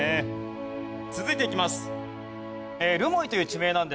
続いていきます。